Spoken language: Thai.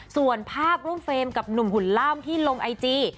ส่วนภาพร่วมเฟรมกับหนุ่มหุ่นล่ำที่ลงไอจี